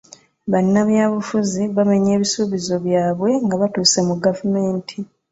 Bannabyabufuzi bamenya ebisuubizo byabwe nga batuuse mu gavumeenti?